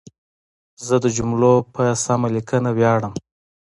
زه د جملو په سمه لیکنه ویاړم.